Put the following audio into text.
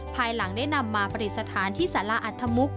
ภายหลังได้นำมาปฏิสถานที่สาราอัธมุก